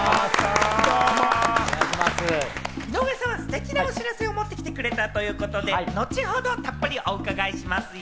井上さん、ステキなお知らせを持ってきてくれたということで、後ほどたっぷりお伺いしますよ。